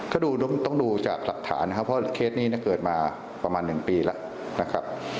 ก็ต้องดูจากหลักฐานนะครับเพราะเคสนี้เกิดมาประมาณ๑ปีแล้วนะครับ